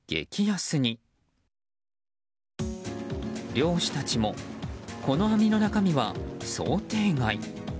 漁師たちもこの網の中身は想定外。